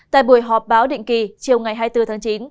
tại buổi họp báo định kỳ chiều ngày hai mươi bốn tháng chín